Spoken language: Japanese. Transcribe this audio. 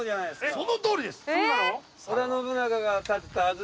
そのとおりです！